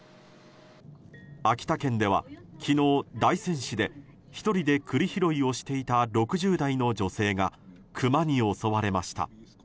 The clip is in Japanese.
秋田県では昨日、大仙市で１人で栗拾いをしていた６０代の女性がクマに襲われました。